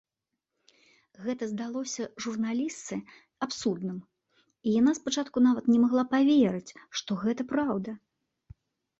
Гэта здалося журналістцы абсурдным, і яна спачатку нават не магла паверыць, што гэта праўда.